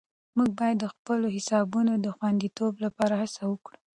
موږ باید د خپلو حسابونو د خوندیتوب لپاره هڅه وکړو.